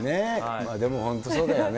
でも、本当そうだよね。